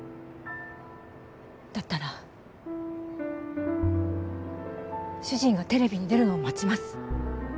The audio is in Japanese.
だったら主人がテレビに出るのを待ちます。